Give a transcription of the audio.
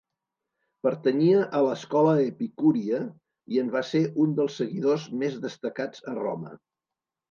Pertanyia a l'escola epicúria, i en va ser un dels seguidors més destacats a Roma.